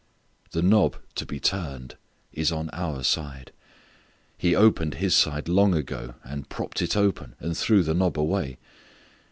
The knob to be turned is on our side. He opened His side long ago, and propped it open, and threw the knob away.